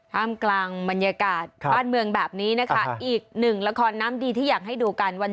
มกลางบรรยากาศบ้านเมืองแบบนี้นะคะอีกหนึ่งละครน้ำดีที่อยากให้ดูกันวัน